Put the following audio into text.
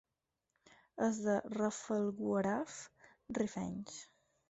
Els de Rafelguaraf, rifenys.